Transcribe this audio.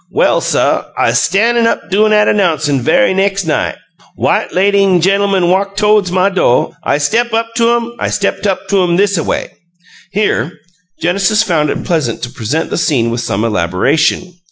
Well, suh, I'z stan' up doin' 'at 'nouncin' ve'y nex' night. White lady an' ge'lmun walk todes my do', I step up to 'em I step up to 'em thisaway." Here Genesis found it pleasant to present the scene with some elaboration.